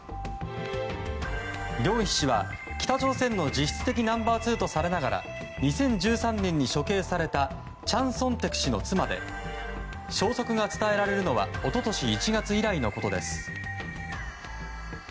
ギョンヒ氏は北朝鮮の実質的ナンバー２とされながら２０１３年に処刑されたチャン・ソンテク氏の妻で消息が伝えられるのは一昨年１月以来のことです。